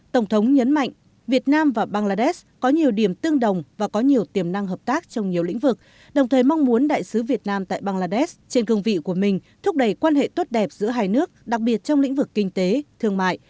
tổng thống nhấn mạnh việt nam và bangladesh có nhiều điểm tương đồng và có nhiều tiềm năng hợp tác trong nhiều lĩnh vực đồng thời mong muốn đại sứ việt nam tại bangladesh trên cương vị của mình thúc đẩy quan hệ tốt đẹp giữa hai nước đặc biệt trong lĩnh vực kinh tế thương mại